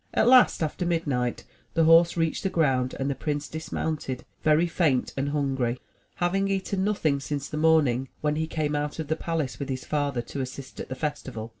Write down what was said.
At last, after midnight, the horse reached the ground and the prince dismounted very faint and hungry, having eaten nothing since the morning when he came out of the palace with his father, to assist at the festival.